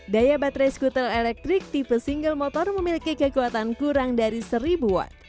daya baterai skuter elektrik tipe single motor memiliki kekuatan kurang dari seribu watt